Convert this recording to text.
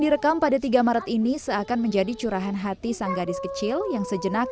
direkam pada tiga maret ini seakan menjadi curahan hati sang gadis kecil yang sejenak